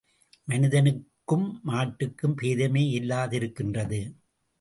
மனிதனுக்கும் மாட்டுக்கும் பேதமே இல்லாதிருக்கின்றது.